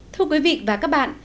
thưa quý vị và các bạn